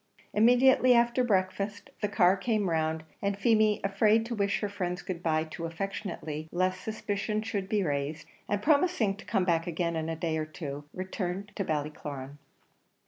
Immediately after breakfast the car came round, and Feemy, afraid to wish her friends good bye too affectionately lest suspicion should be raised, and promising to come back again in a day or two, returned to Ballycloran.